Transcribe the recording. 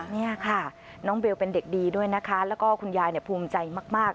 นี่ค่ะน้องเบลเป็นเด็กดีด้วยนะคะแล้วก็คุณยายภูมิใจมาก